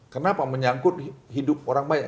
kenapa menyangkut hidup orang banyak